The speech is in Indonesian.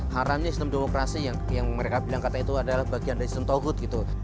haramnya sistem demokrasi yang mereka bilang kata itu adalah bagian dari sentohut gitu